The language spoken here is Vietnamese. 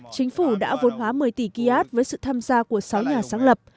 chính phủ đã vốn hóa một mươi tỷ kiat với sự tham gia của sáu nhà sáng lập